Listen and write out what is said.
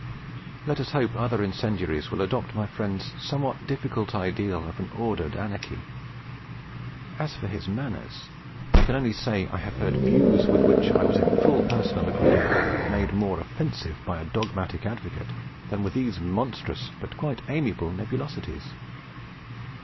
Let us hope other incendiaries will adopt my friend's somewhat difficult ideal of an ordered anarchy! As for his manners, I can only say I have heard views with which I was in full personal agreement made more offensive by a dogmatic advocate than were these monstrous but quite amiable nebulosities.